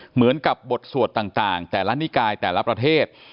เหมือนกับบทสวดต่างแต่ละนิกายแต่ละประเทศ